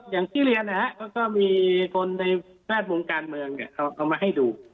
อย่างที่เรียนนะก็มีคนในราชโมงการเมืองเอามาให้ดู